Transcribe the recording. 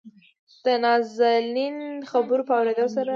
دنازنين خبرو په اورېدلو سره